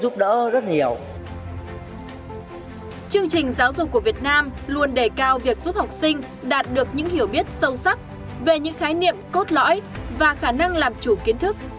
trong những khái niệm cốt lõi và khả năng làm chủ kiến thức